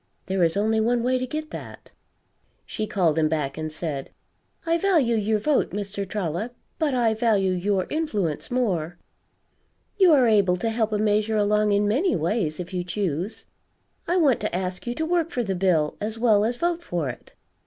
There is only one way to get that." She called him back, and said: "I value your vote, Mr. Trollop, but I value your influence more. You are able to help a measure along in many ways, if you choose. I want to ask you to work for the bill as well as vote for it."